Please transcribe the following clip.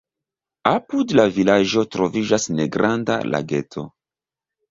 Apud la vilaĝo troviĝas negranda lageto.